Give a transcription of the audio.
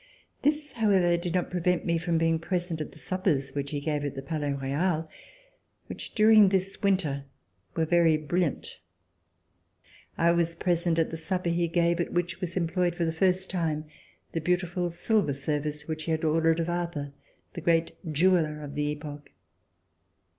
This, however, did not prevent me from being present at the suppers which he gave at the Palais Royal, which during this winter were very brilliant. I was present at the supper he gave at which was employed for the first time the beautiful silver service which he had ordered of Arthur, the great jeweller of the epoch.